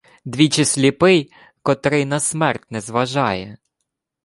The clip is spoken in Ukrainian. Двічі сліпий, котрий на смерть не зважає.